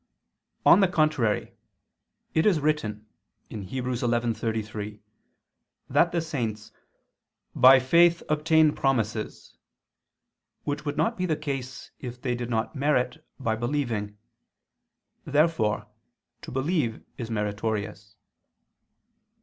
On the contrary, It is written (Heb. 11:33) that the saints "by faith ... obtained promises," which would not be the case if they did not merit by believing. Therefore to believe is meritorious.